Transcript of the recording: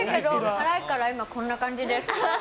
辛いからこんな感じです。